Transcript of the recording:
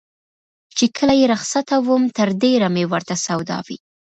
چې کله یې رخصتوم تر ډېره مې ورته سودا وي.